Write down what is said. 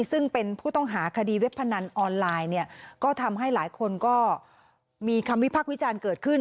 ซึ่งเป็นผู้ต้องหาคดีเว็บพนันออนไลน์เนี่ยก็ทำให้หลายคนก็มีคำวิพักษ์วิจารณ์เกิดขึ้น